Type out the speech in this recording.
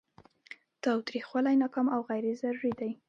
تاوتریخوالی ناکام او غیر ضروري دی.